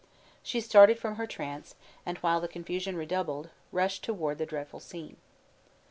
She started from her trance, and, while the confusion redoubled, rushed toward the dreadful scene.